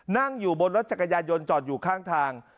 นั่งอยู่บนรถจักรยานยนต์จอดอยู่ข้างทาง